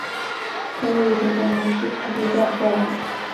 该物种的模式产地在荷兰。